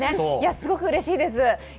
すごくうれしいです。